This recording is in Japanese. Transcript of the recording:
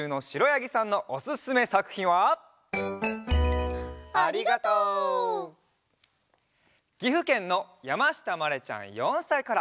ぎふけんのやましたまれちゃん４さいから。